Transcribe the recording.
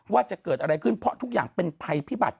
ว่าจะเกิดอะไรขึ้นเพราะทุกอย่างเป็นภัยพิบัติ